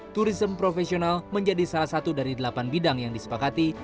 turism profesional menjadi salah satu dari delapan bidang yang disepakati